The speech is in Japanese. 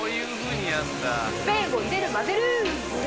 麺を入れる混ぜる！